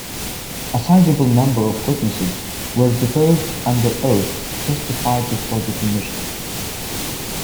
A sizeable number of witnesses were deposed under oath to testify before the Commission.